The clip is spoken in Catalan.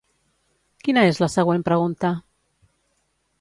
Quina és la següent pregunta?